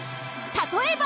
例えば。